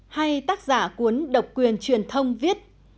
hay tác giả cuốn độc quyền truyền thông viết